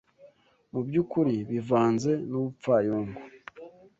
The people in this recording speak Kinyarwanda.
Mu by’ukuri bivanze n’ubupfayongo